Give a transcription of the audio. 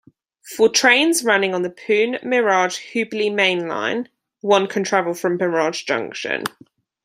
For trains running on the Pune-Miraj-Hubli mainline, one can travel from Miraj junction.